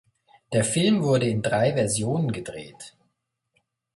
Der Film wurde in drei Versionen gedreht.